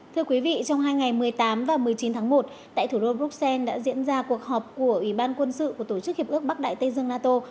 thưa quý vị trong hai ngày một mươi tám và một mươi chín tháng một tại thủ đô bruxelles đã diễn ra cuộc họp của ủy ban quân sự của tổ chức hiệp ước bắc đại tây dương nato